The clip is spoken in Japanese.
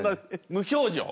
無表情？